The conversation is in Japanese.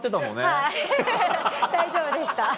はい大丈夫でした。